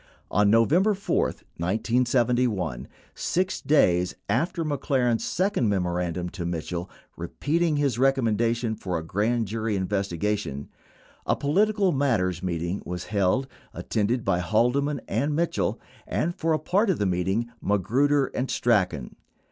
On November 4, 1971—6 days after McLaren's second memorandum to Mitchell repeating his recommendation for a grand jury investiga tion — a "political matters meeting" was held, attended by Haldeman and Mitchell and, for a part of the meeting, Magruder and Strachan.